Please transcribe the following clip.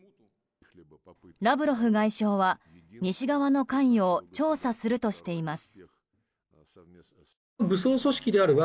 ラブロフ外相は、西側の関与を調査するとしています。